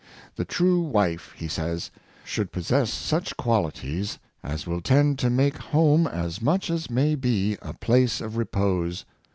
The true wife, he says, should possess such qualities as will tend to make home as much as ma}^ be a place of repose.